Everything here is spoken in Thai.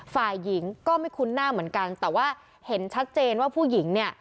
ฝ่ายหญิงก็ไม่คุ้นหน้าเหมือนกันแต่ว่าเห็นชัดเจนว่าผู้หญิงเนี่ย